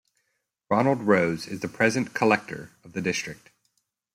Ronald Rose is the present collector of the District.